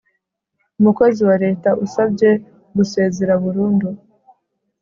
Umukozi wa Leta usabye gusezera burundu